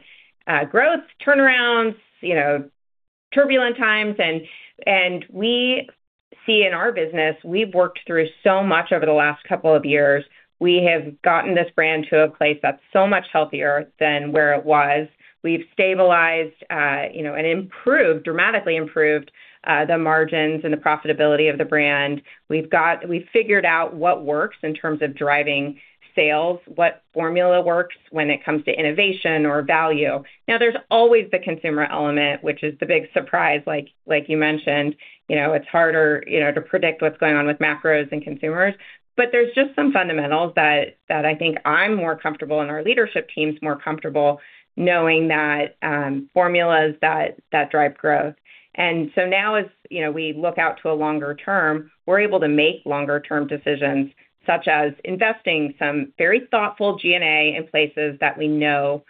growth, turnarounds, you know, turbulent times. We see in our business, we've worked through so much over the last couple of years. We have gotten this brand to a place that's so much healthier than where it was. We've stabilized, you know, and improved, dramatically improved, the margins and the profitability of the brand. We've figured out what works in terms of driving sales, what formula works when it comes to innovation or value. Now, there's always the consumer element, which is the big surprise like you mentioned. You know, it's harder, you know, to predict what's going on with macros and consumers. There's just some fundamentals that I think I'm more comfortable and our leadership team's more comfortable knowing that formulas that drive growth. Now as you know, we look out to a longer term, we're able to make longer term decisions, such as investing some very thoughtful G&A in places that we know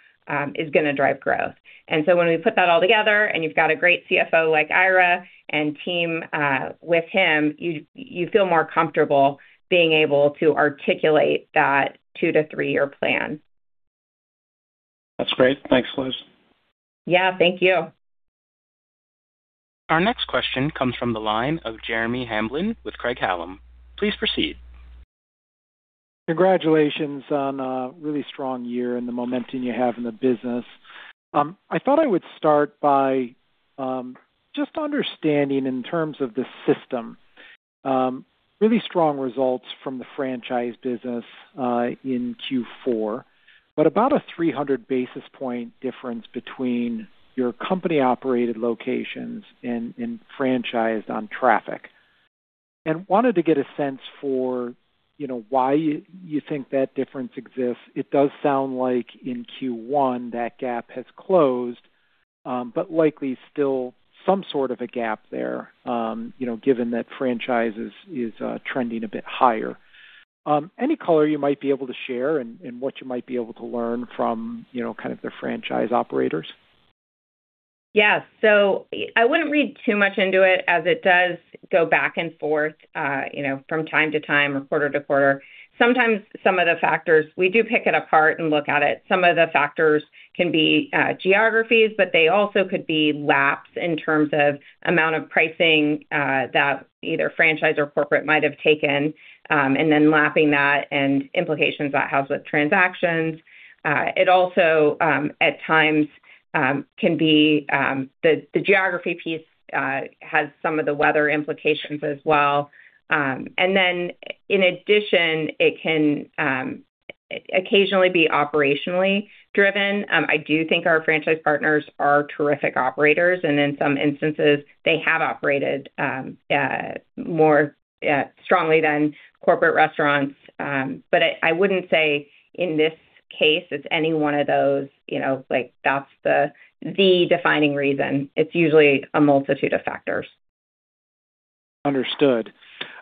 is gonna drive growth. When we put that all together and you've got a great CFO like Ira and team with him, you feel more comfortable being able to articulate that 2- to 3-year plan. That's great. Thanks, Liz. Yeah. Thank you. Our next question comes from the line of Jeremy Hamblin with Craig-Hallum. Please proceed. Congratulations on a really strong year and the momentum you have in the business. I thought I would start by just understanding in terms of the system, really strong results from the franchise business in Q4, but about a 300 basis point difference between your company-operated locations and franchised in traffic. Wanted to get a sense for, you know, why you think that difference exists. It does sound like in Q1 that gap has closed, but likely still some sort of a gap there, you know, given that franchises is trending a bit higher. Any color you might be able to share and what you might be able to learn from, you know, kind of the franchise operators? Yes. I wouldn't read too much into it as it does go back and forth, you know, from time to time or quarter to quarter. Sometimes some of the factors. We do pick it apart and look at it. Some of the factors can be geographies, but they also could be lapping in terms of amount of pricing that either franchise or corporate might have taken, and then lapping that and implications that has with transactions. It also, at times, can be the geography piece has some of the weather implications as well. And then in addition, it can occasionally be operationally driven. I do think our franchise partners are terrific operators, and in some instances they have operated more strongly than corporate restaurants. I wouldn't say in this case it's any one of those, you know, like, that's the defining reason. It's usually a multitude of factors. Understood.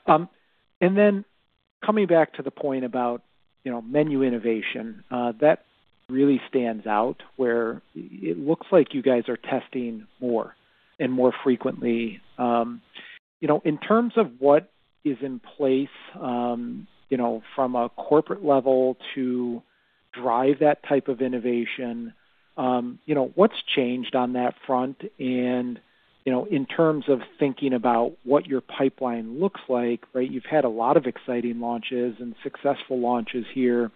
Coming back to the point about, you know, menu innovation, that really stands out where it looks like you guys are testing more and more frequently. You know, in terms of what is in place, you know, from a corporate level to drive that type of innovation, you know, what's changed on that front? You know, in terms of thinking about what your pipeline looks like, right? You've had a lot of exciting launches and successful launches here.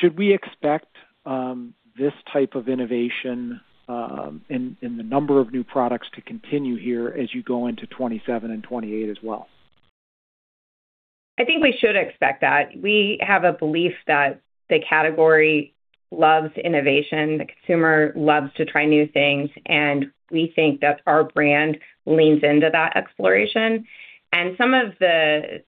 Should we expect this type of innovation and the number of new products to continue here as you go into 2027 and 2028 as well? I think we should expect that. We have a belief that the category loves innovation, the consumer loves to try new things, and we think that our brand leans into that exploration. Some of the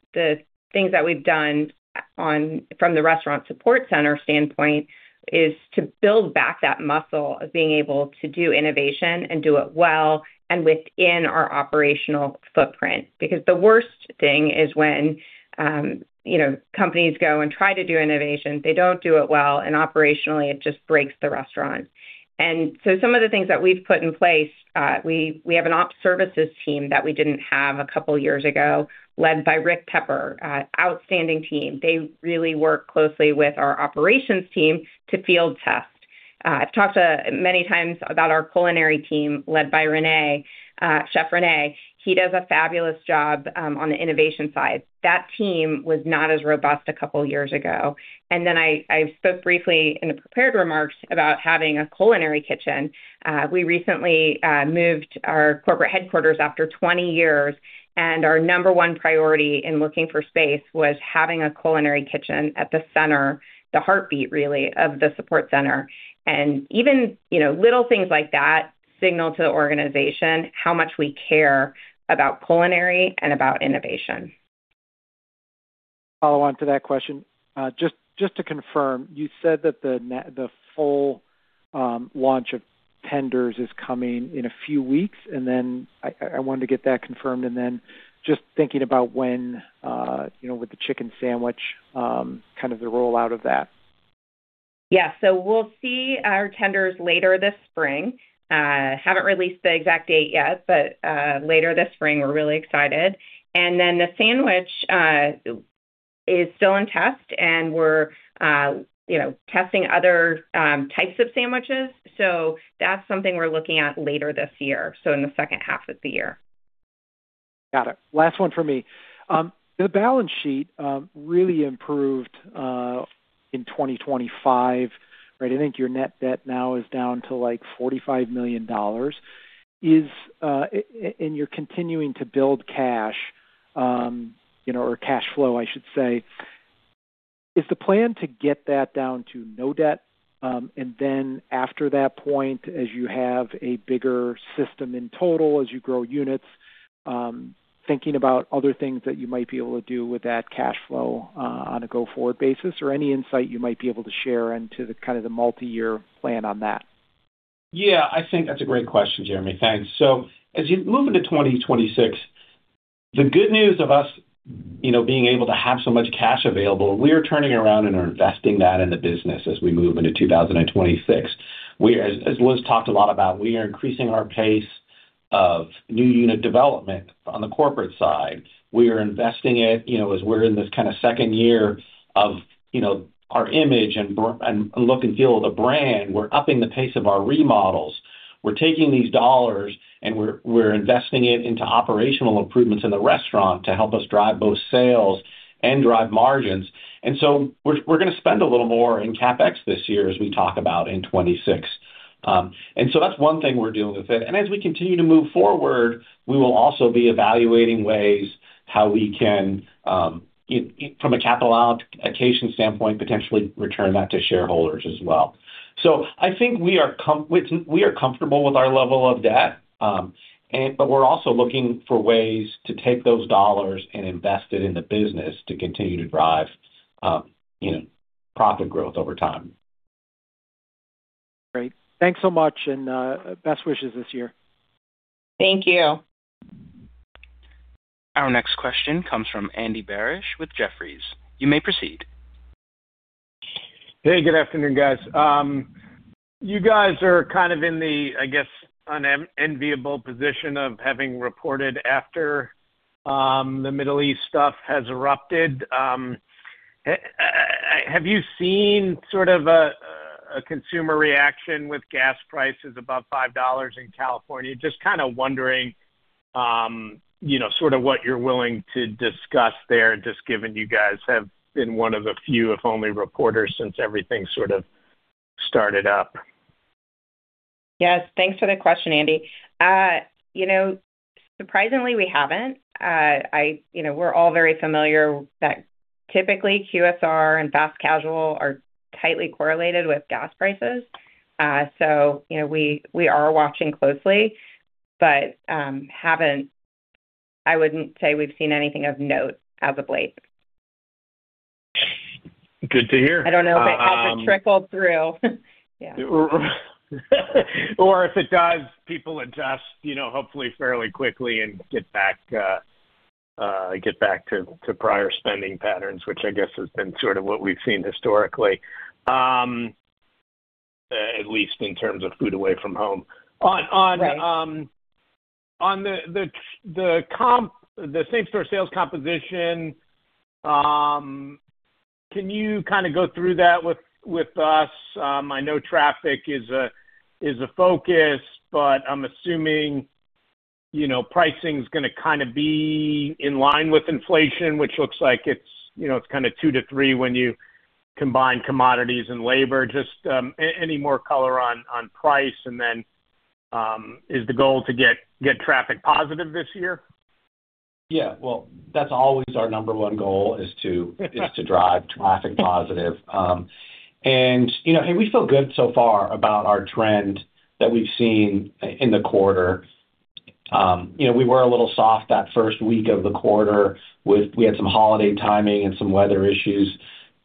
things that we've done from the restaurant support center standpoint is to build back that muscle of being able to do innovation and do it well and within our operational footprint. Because the worst thing is when, you know, companies go and try to do innovation, they don't do it well, and operationally it just breaks the restaurant. Some of the things that we've put in place, we have an ops services team that we didn't have a couple years ago led by Rick Pepper. Outstanding team. They really work closely with our operations team to field test. I've talked many times about our culinary team led by Rene, Chef Rene. He does a fabulous job on the innovation side. That team was not as robust a couple years ago. Then I spoke briefly in the prepared remarks about having a culinary kitchen. We recently moved our corporate headquarters after 20 years, and our number one priority in looking for space was having a culinary kitchen at the center, the heartbeat really, of the support center. Even, you know, little things like that signal to the organization how much we care about culinary and about innovation. Follow on to that question. Just to confirm, you said that the full launch of tenders is coming in a few weeks, and then I wanted to get that confirmed and then just thinking about when, you know, with the chicken sandwich, kind of the rollout of that. Yeah. We'll see our tenders later this spring. Haven't released the exact date yet, but later this spring, we're really excited. The sandwich is still in test and we're, you know, testing other types of sandwiches. That's something we're looking at later this year, so in the second half of the year. Got it. Last one for me. The balance sheet really improved in 2025, right? I think your net debt now is down to, like, $45 million. And you're continuing to build cash, you know, or cash flow, I should say. Is the plan to get that down to no debt, and then after that point, as you have a bigger system in total, as you grow units, thinking about other things that you might be able to do with that cash flow, on a go-forward basis or any insight you might be able to share into the kind of multi-year plan on that? Yeah. I think that's a great question, Jeremy. Thanks. As you move into 2026, the good news of us, you know, being able to have so much cash available, we are turning around and are investing that in the business as we move into 2026. As Liz talked a lot about, we are increasing our pace of new unit development on the corporate side. We are investing it, you know, as we're in this kind of second year of, you know, our image and look and feel of the brand. We're upping the pace of our remodels. We're taking these dollars, and we're investing it into operational improvements in the restaurant to help us drive both sales and drive margins. We're gonna spend a little more in CapEx this year as we talk about in 2026. That's one thing we're doing with it. As we continue to move forward, we will also be evaluating ways how we can from a capital allocation standpoint, potentially return that to shareholders as well. I think we are comfortable with our level of debt, and but we're also looking for ways to take those dollars and invest it in the business to continue to drive, you know, profit growth over time. Great. Thanks so much, and best wishes this year. Thank you. Our next question comes from Andy Barish with Jefferies. You may proceed. Hey, good afternoon, guys. You guys are kind of in the, I guess, unenviable position of having reported after the Middle East stuff has erupted. Have you seen sort of a consumer reaction with gas prices above $5 in California? Just kinda wondering, you know, sort of what you're willing to discuss there, just given you guys have been one of the few, if only, reporters since everything sort of started up. Yes. Thanks for the question, Andy. You know, surprisingly, we haven't. You know, we're all very familiar that typically QSR and fast casual are tightly correlated with gas prices. You know, we are watching closely, but I wouldn't say we've seen anything of note as of late. Good to hear. I don't know if it has to trickle through. Yeah. If it does, people adjust, you know, hopefully fairly quickly and get back to prior spending patterns, which I guess has been sort of what we've seen historically, at least in terms of food away from home. Right. On the comps, the same-store sales composition, can you kinda go through that with us? I know traffic is a focus, but I'm assuming, you know, pricing's gonna kinda be in line with inflation, which looks like it's, you know, it's kinda 2%-3% when you combine commodities and labor. Just, any more color on price, and then, is the goal to get traffic positive this year? Well, that's always our number one goal is to drive traffic positive. You know, and we feel good so far about our trend that we've seen in the quarter. You know, we were a little soft that first week of the quarter we had some holiday timing and some weather issues,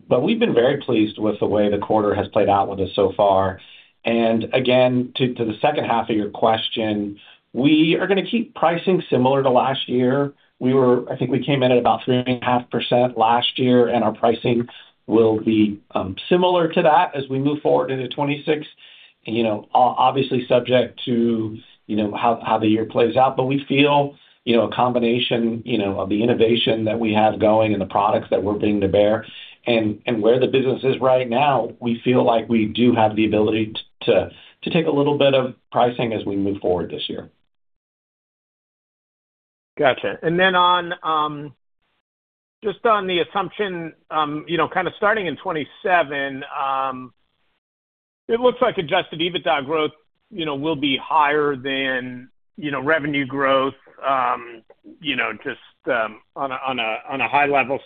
but we've been very pleased with the way the quarter has played out with us so far. Again, to the second half of your question, we are gonna keep pricing similar to last year. I think we came in at about 3.5% last year, and our pricing will be similar to that as we move forward into 2026. You know, obviously subject to, you know, how the year plays out. We feel, you know, a combination, you know, of the innovation that we have going and the products that we're bringing to bear and where the business is right now, we feel like we do have the ability to take a little bit of pricing as we move forward this year. Gotcha. Just on the assumption, you know, kind of starting in 2027, it looks like adjusted EBITDA growth, you know, will be higher than, you know, revenue growth, you know, just on a high level.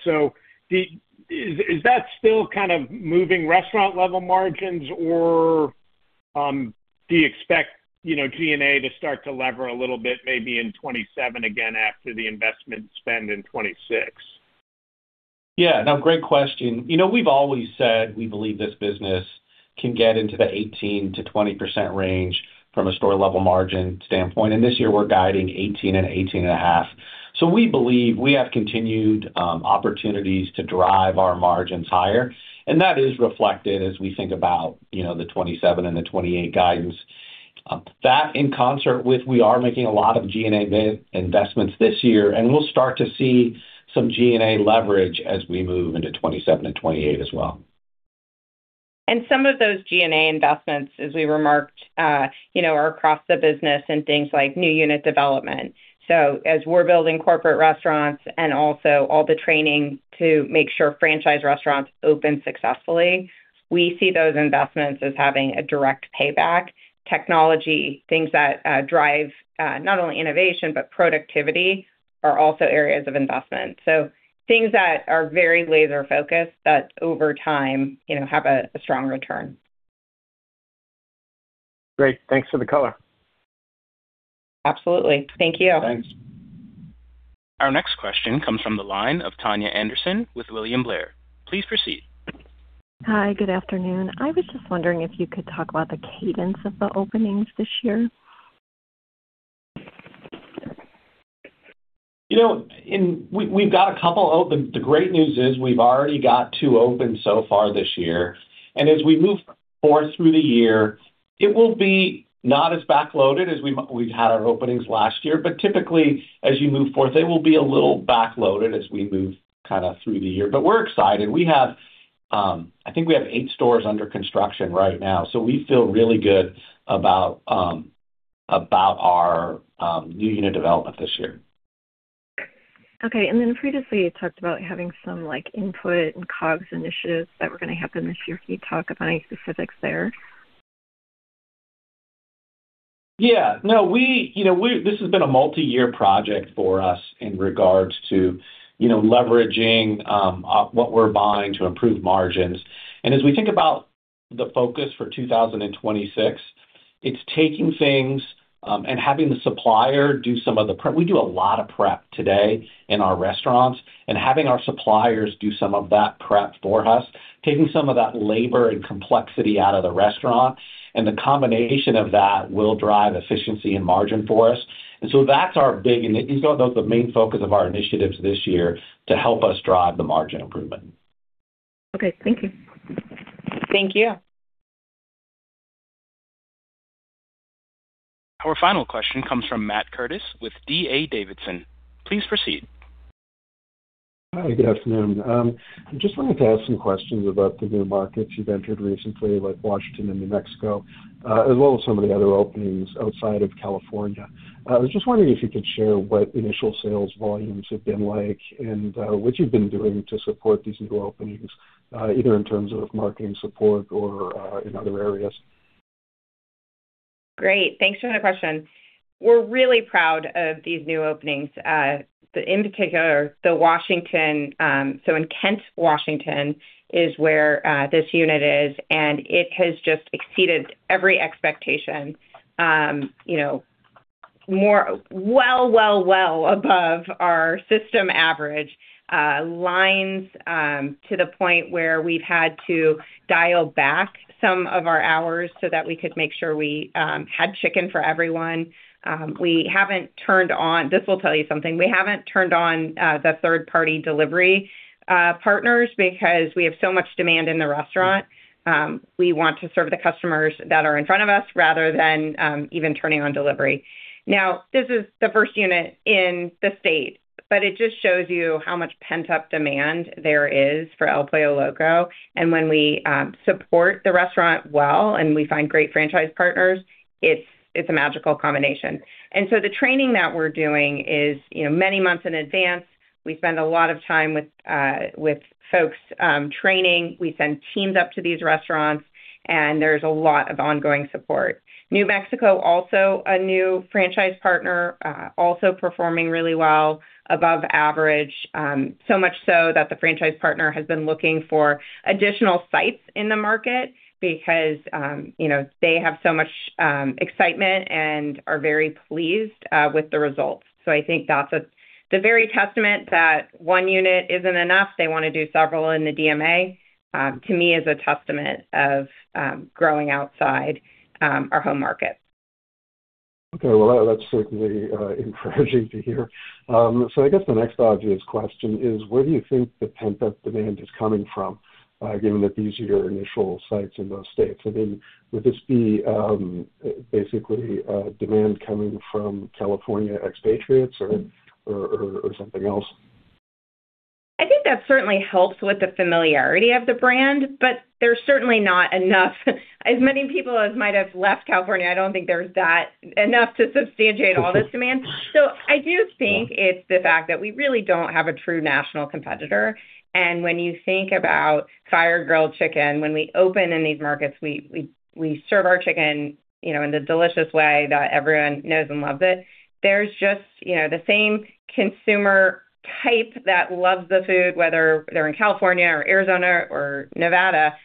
Is that still kind of moving restaurant level margins or do you expect, you know, G&A to start to lever a little bit, maybe in 2027 again after the investment spend in 2026? Yeah. No, great question. You know, we've always said we believe this business can get into the 18%-20% range from a store level margin standpoint. This year we're guiding 18% and 18.5%. We believe we have continued opportunities to drive our margins higher. That is reflected as we think about, you know, the 2027 and the 2028 guidance. That in concert with we are making a lot of G&A investments this year, and we'll start to see some G&A leverage as we move into 2027 and 2028 as well. Some of those G&A investments, as we remarked, you know, are across the business and things like new unit development. As we're building corporate restaurants and also all the training to make sure franchise restaurants open successfully, we see those investments as having a direct payback. Technology, things that drive not only innovation but productivity are also areas of investment. Things that are very laser-focused that over time, you know, have a strong return. Great. Thanks for the color. Absolutely. Thank you. Thanks. Our next question comes from the line of Tania Anderson with William Blair. Please proceed. Hi, good afternoon. I was just wondering if you could talk about the cadence of the openings this year. You know, we've got a couple open. The great news is we've already got two open so far this year. As we move forward through the year, it will be not as backloaded as we've had our openings last year. Typically, as you move forward, they will be a little backloaded as we move kinda through the year. We're excited. We have, I think we have eight stores under construction right now, so we feel really good about our new unit development this year. Okay. Previously, you talked about having some, like, input and COGS initiatives that were gonna happen this year. Can you talk about any specifics there? Yeah. No, you know, this has been a multi-year project for us in regards to, you know, leveraging what we're buying to improve margins. As we think about the focus for 2026, it's taking things and having the supplier do some of the prep. We do a lot of prep today in our restaurants and having our suppliers do some of that prep for us, taking some of that labor and complexity out of the restaurant, and the combination of that will drive efficiency and margin for us. That's our big initiative. Those are the main focus of our initiatives this year to help us drive the margin improvement. Okay. Thank you. Thank you. Our final question comes from Matt Curtis with D.A. Davidson. Please proceed. Hi. Good afternoon. I just wanted to ask some questions about the new markets you've entered recently, like Washington and New Mexico, as well as some of the other openings outside of California. I was just wondering if you could share what initial sales volumes have been like and, what you've been doing to support these new openings, either in terms of marketing support or, in other areas. Great. Thanks for the question. We're really proud of these new openings. In particular, the Washington, so in Kent, Washington, is where this unit is, and it has just exceeded every expectation, you know, well above our system average. Lines to the point where we've had to dial back some of our hours so that we could make sure we had chicken for everyone. This will tell you something. We haven't turned on the third-party delivery partners because we have so much demand in the restaurant. We want to serve the customers that are in front of us rather than even turning on delivery. Now, this is the first unit in the state, but it just shows you how much pent-up demand there is for El Pollo Loco. When we support the restaurant well and we find great franchise partners, it's a magical combination. The training that we're doing is, you know, many months in advance. We spend a lot of time with folks training. We send teams up to these restaurants, and there's a lot of ongoing support. New Mexico, also a new franchise partner, also performing really well, above average, so much so that the franchise partner has been looking for additional sites in the market because, you know, they have so much excitement and are very pleased with the results. I think that's the very testament that one unit isn't enough, they wanna do several in the DMA, to me is a testament of growing outside our home market. Okay. Well, that's certainly encouraging to hear. I guess the next obvious question is, where do you think the pent-up demand is coming from, given that these are your initial sites in those states? Would this be basically demand coming from California expatriates or something else? I think that certainly helps with the familiarity of the brand, but there's certainly not enough. As many people as might have left California, I don't think there's not enough to substantiate all this demand. I do think it's the fact that we really don't have a true national competitor. When you think about fire-grilled chicken, when we open in these markets, we serve our chicken, you know, in the delicious way that everyone knows and loves it. There's just, you know, the same consumer type that loves the food, whether they're in California or Arizona or Nevada.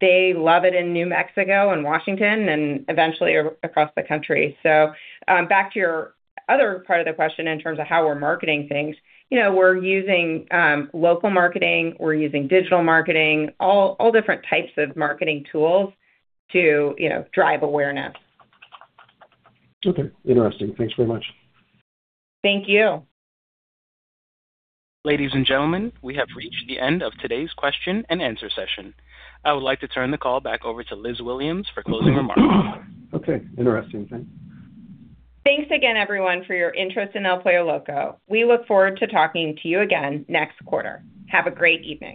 They love it in New Mexico and Washington and eventually across the country. Back to your other part of the question in terms of how we're marketing things. You know, we're using local marketing, we're using digital marketing, all different types of marketing tools to, you know, drive awareness. Okay. Interesting. Thanks very much. Thank you. Ladies and gentlemen, we have reached the end of today's question-and-answer session. I would like to turn the call back over to Liz Williams for closing remarks. Okay. Interesting. Thanks. Thanks again, everyone, for your interest in El Pollo Loco. We look forward to talking to you again next quarter. Have a great evening.